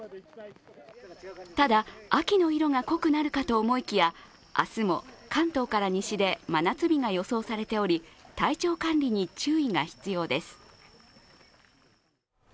ただ、秋の色が濃くなるかと思いきや、明日も関東から西で真夏日が予想されており体調管理に注意が必要です。